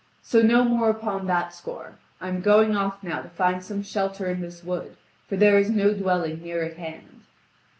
So no more upon that score: I am going off now to find some shelter in this wood, for there is no dwelling near at hand."